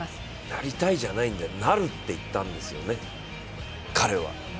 やりたいじゃんいんだよ、「なる」って言ったんだね、彼は。